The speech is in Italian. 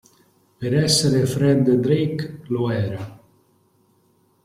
Per essere Fred Drake lo era!